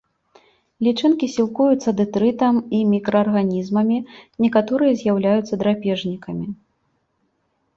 Лічынкі сілкуюцца дэтрытам і мікраарганізмамі, некаторыя з'яўляюцца драпежнікамі.